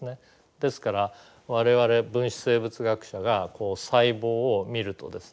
ですから我々分子生物学者が細胞を見るとですね